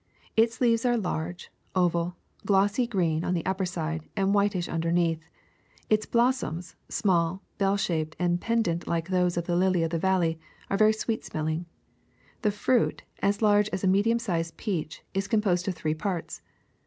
Its leaves are large, oval, glossy green on the upper side, and whitish underneath ; its blos soms, small, bell shaped, and pendent like those of the lily of the valley, are very sweet smelling. The fruit, as large as a medium sized peach, is composed of three parts.